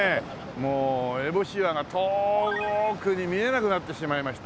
もうえぼし岩が遠くに見えなくなってしまいました。